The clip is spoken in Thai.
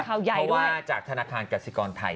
เพราะว่าจากธนาคารกสิกรไทย